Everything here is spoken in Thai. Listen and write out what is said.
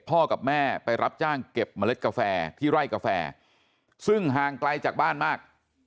กับแม่ไปรับจ้างเก็บเมล็ดกาแฟที่ไร่กาแฟซึ่งห่างไกลจากบ้านมาก